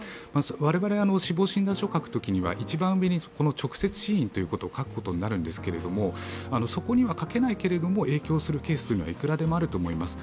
我々、死亡診断書を書くときには一番上に直接死因を書くことになるんですけどそこには書けないけれども影響するケースはいくらでもあると思います。